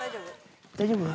大丈夫？